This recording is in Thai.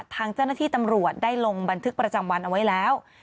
ทางเจ้าหน้าที่ตำรวจได้ลงบันทึกประจำวันเอาไว้แล้ว